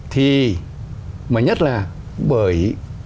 thì mà nhất là bởi